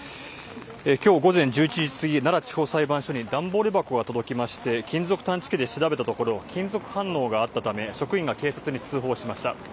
今日午前１１時過ぎ奈良地方裁判所に段ボール箱が届きまして金属探知機で調べたところ金属反応があったため職員が警察に通報しました。